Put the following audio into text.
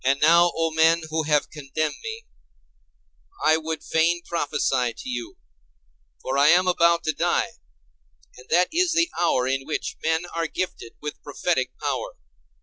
And now, O men who have condemned me, I would fain prophesy to you; for I am about to die, and that is the hour in which men are gifted with prophetic power.